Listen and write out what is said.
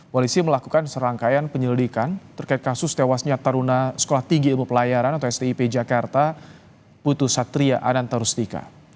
polisi melakukan serangkaian penyelidikan terkait kasus tewasnya taruna sekolah tinggi ilmu pelayaran atau stip jakarta putu satria ananta rusdika